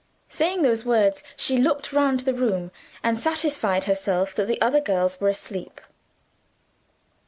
Saying those words, she looked round the room, and satisfied herself that the other girls were asleep.